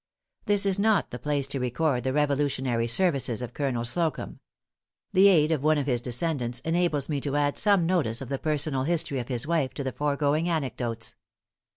This is not the place to record the Revolutionary services of Colonel Slocumb. The aid of one of his descendants enables me to add some notice of the personal history of his wife to the foregoing anecdotes.